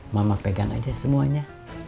mama pegang aja semuanya